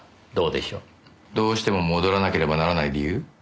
「どうしても戻らなければならない理由」？